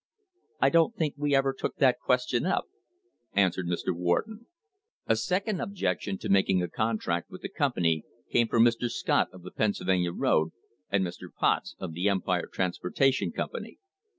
"I do not think we ever took that question up," answered Mr. Warden. A second objection to making a contract with the com pany came from Mr. Scott of the Pennsylvania road and Mr. Potts of the Empire Transportation Company.